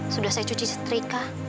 sudah saya cuci setrika